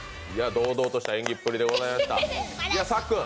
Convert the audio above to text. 堂々とした演技っぷりでございました。